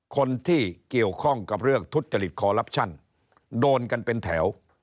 คนที่เกี่ยวข้องกับเรื่องทุจริตคอลลับชั่นโดนกันเป็นแถว